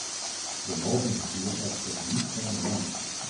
We mogen het hier echter niet bij laten.